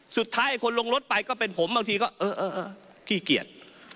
สุดท้ายคนลงรถไปก็เป็นผมบางทีก็เออเออเออขี้เกียจ